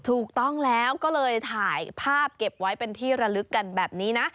ถูกต้องแล้วก็เลยถ่ายภาพเก็บไว้เป็นที่ระลึกกันแบบนี้นะ